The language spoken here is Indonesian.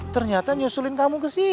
ternyata nyusulin kamu kesini